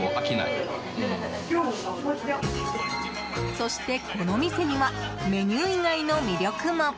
そして、この店にはメニュー以外の魅力も。